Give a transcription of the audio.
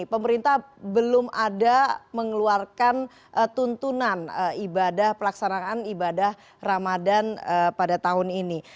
pemerintah belum ada mengeluarkan tuntunan ibadah pelaksanaan ibadah ramadan pada tahun ini